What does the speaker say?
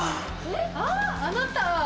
あぁあなた。